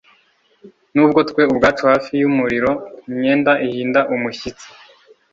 Nubwo twe ubwacu hafi yumuriro imyenda ihinda umushyitsi